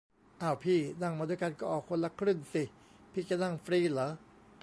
อ้าวพี่ นั่งมาด้วยกันก็ออกคนละครึ่งสิ พี่จะนั่งฟรีหรอ ?